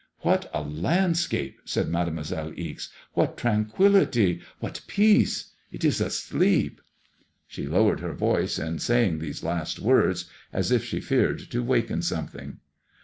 What a landscape I " said Mademoiselle Ixe. '' What tran quillity I What peace I It is asleep. She lowered her Toice, in say ing these last words as if she feared to waken something.